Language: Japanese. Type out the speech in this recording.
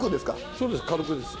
そうです軽くです。